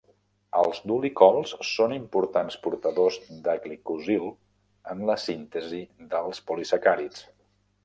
Els dolicols són importants portadors de glicosil en la síntesi dels polisacàrids.